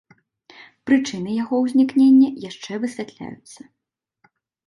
Прычыны яго ўзнікнення яшчэ высвятляюцца.